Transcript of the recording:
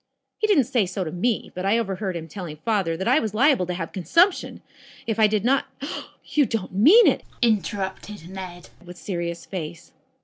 He didn't say so to me, but I overheard him telling father that I was liable to have consumption, if I did not " "You don't mean it?" interrupted Ned with serious face.